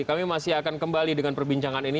kami masih akan kembali dengan perbincangan ini